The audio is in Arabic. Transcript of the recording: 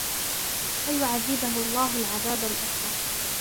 فيعذبه الله العذاب الأكبر